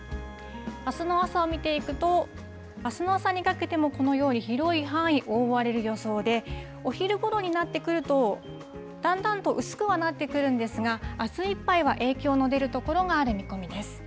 あすの朝を見ていくと、あすの朝にかけてもこのように広い範囲、覆われる予想で、お昼ごろになってくると、だんだんと薄くはなってくるんですが、あすいっぱいは影響の出る所がある見込みです。